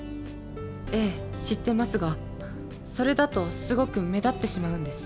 ええ、知ってますが、それだとすごく目立ってしまうんです。